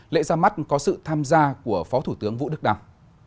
lễ ra mắt có sự tham gia của phó thủ tướng vũ đức đăng